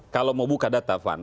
kalau mau buka data van